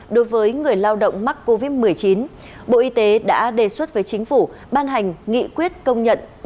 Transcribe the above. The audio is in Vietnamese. đối với người lao động mắc covid một mươi chín bộ y tế đã đề xuất với chính phủ ban hành nghị quyết công nhận